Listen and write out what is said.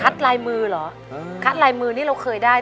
ลายมือเหรอคัดลายมือนี่เราเคยได้